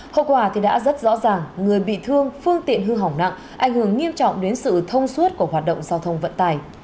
hậu quả thì đã rất rõ ràng người bị thương phương tiện hư hỏng nặng ảnh hưởng nghiêm trọng đến sự thông suốt của hoạt động giao thông vận tài